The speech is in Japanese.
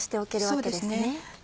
そうですね。